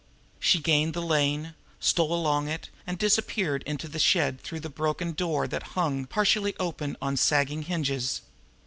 She gained the lane, stole along it, and disappeared into the shed through the broken door that hung, partially open, on sagging hinges.